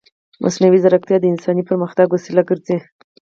مصنوعي ځیرکتیا د انساني پرمختګ وسیله ګرځي.